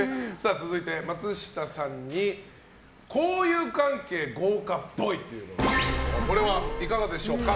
続いて、松下さんに交友関係、豪華っぽい。これはいかがでしょうか。